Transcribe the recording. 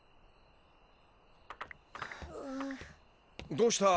どうした？